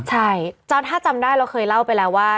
ใช่ถ้าจำได้เราเคยเล่าไปแล้วว่า